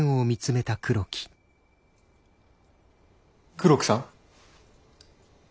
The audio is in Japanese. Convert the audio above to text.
黒木さん？